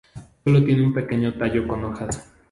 Sólo tiene un pequeño tallo con hojas.